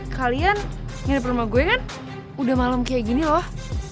kalian ngirip rumah gue kan udah malam kayak gini loh